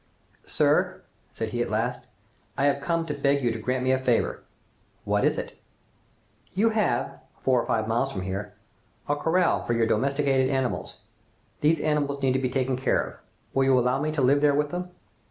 "Sir," said he at last, "I have come to beg you to grant me a favor." "What is it?" "You have, four or five miles from here, a corral for your domesticated animals. These animals need to be taken care of. Will you allow me to live there with them?"